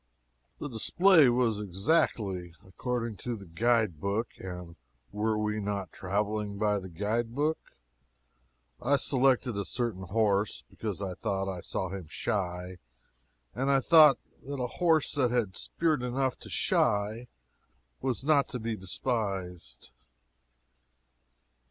The display was exactly according to the guide book, and were we not traveling by the guide book? I selected a certain horse because I thought I saw him shy, and I thought that a horse that had spirit enough to shy was not to be despised.